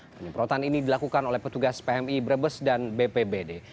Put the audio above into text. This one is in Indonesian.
penyemprotan ini dilakukan oleh petugas pmi brebes dan bpbd